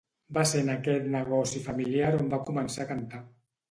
Va ser en aquest negoci familiar on va començar a cantar.